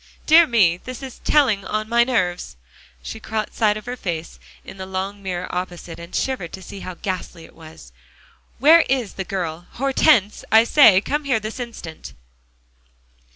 Dear me! this is telling on my nerves." She caught sight of her face in the long mirror opposite, and shivered to see how ghastly it was. "Where is the girl? Hortense, I say, come here this instant!"